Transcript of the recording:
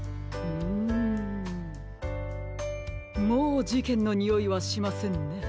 もうじけんのにおいはしませんね。